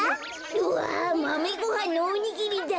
うわマメごはんのおにぎりだ。